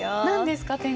何ですか？